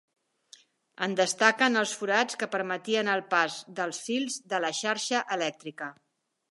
En destaquen els forats que permetien el pas dels fils de la xarxa elèctrica.